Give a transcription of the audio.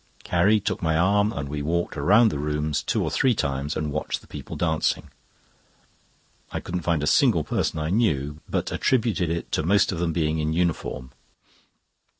Carrie took my arm and we walked round the rooms two or three times and watched the people dancing. I couldn't find a single person I knew, but attributed it to most of them being in uniform.